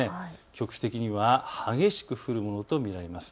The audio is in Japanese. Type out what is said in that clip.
局地的には激しく降るものと見られます。